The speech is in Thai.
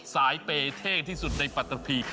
สายเปย์เท่ที่สุดในปัจจักรภี